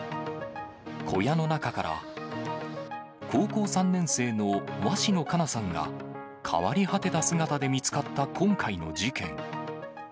小屋の中から、高校３年生の鷲野花夏さんが変わり果てた姿で見つかった今回の事件。